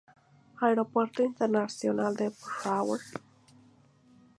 Aeropuerto Internacional de Peshawar